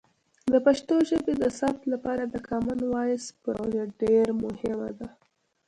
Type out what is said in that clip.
د پښتو ژبې د ثبت لپاره د کامن وایس پروژه ډیر مهمه ده.